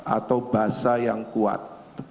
atau basa yang kuat